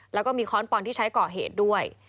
แล้วก็มีค้อนปอนที่ใช้ก่อเหตุด้วย